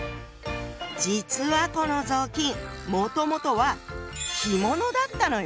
実はこの雑巾もともとは着物だったのよ。